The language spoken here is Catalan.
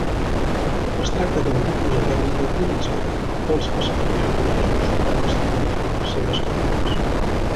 Es tracta d'un tipus de tècnica utilitzada pels pescadors japonesos per testimoniar les seves captures.